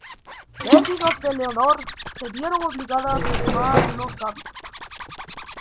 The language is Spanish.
Tres de las hijas de Leonor se vieron obligadas a tomar los hábitos.